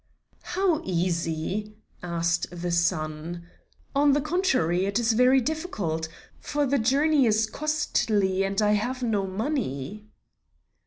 "How, easy?" asked the son. "On the contrary, it is very difficult; for the journey is costly, and I have no money."